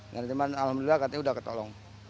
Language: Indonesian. dan alhamdulillah katanya udah ketolong